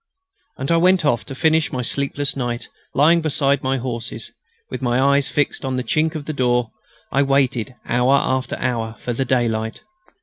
And I went off to finish my sleepless night, lying beside my horses. With my eyes fixed on the chink of the door, I waited, hour after hour, for the daylight....